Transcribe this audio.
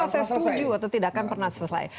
saya setuju atau tidak akan pernah selesai